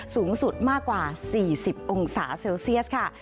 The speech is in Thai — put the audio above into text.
สูงสุดมากกว่า๔๐องศาเซลเซียสค่ะ